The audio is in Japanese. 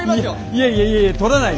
いやいやいやいや撮らないよ！